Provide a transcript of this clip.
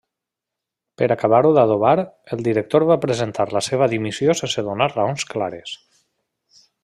Per acabar-ho d'adobar, el director va presentar la seva dimissió sense donar raons clares.